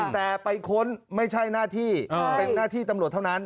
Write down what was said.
แต่ไปค้นไม่ใช่หน้าที่เป็นหน้าที่ตำรวจเท่านั้น